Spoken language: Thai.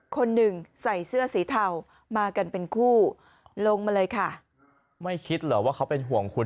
คนหนึ่งใส่เสื้อสีเทามากันเป็นคู่ลงมาเลยค่ะไม่คิดเหรอว่าเขาเป็นห่วงคุณ